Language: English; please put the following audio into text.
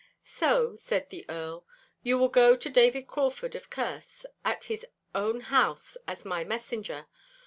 'So,' said the Earl, 'you will go to David Crauford of Kerse at his own house as my messenger.